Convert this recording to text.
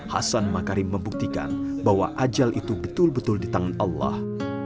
hasan makarim membuktikan bahwa ajal itu betul betul di tangan allah